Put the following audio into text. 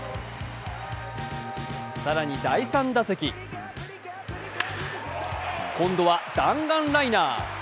更に第３打席今度は弾丸ライナー。